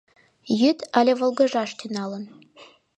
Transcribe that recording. Йӱд але волгыжаш тӱҥалын?